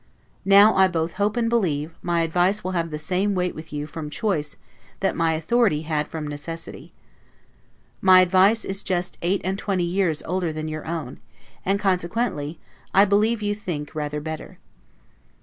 Now, I both hope and believe, my advice will have the same weight with you from choice that my authority had from necessity. My advice is just eight and twenty years older than your own, and consequently, I believe you think, rather better.